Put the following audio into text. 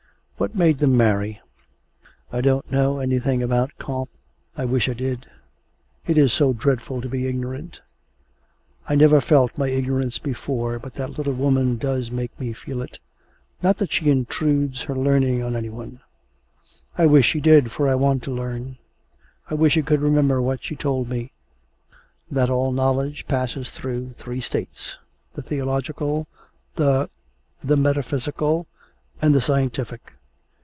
... What made them marry? 'I don't know anything about Comte I wish I did; it is so dreadful to be ignorant. I never felt my ignorance before, but that little woman does make me feel it, not that she intrudes her learning on any one; I wish she did, for I want to learn. I wish I could remember what she told me: that all knowledge passes through three states: the theological, the the metaphysical, and the scientific.